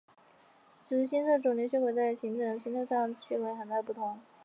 此时新生成的肿瘤血管在结构与形态上与正常的血管有很大的不同。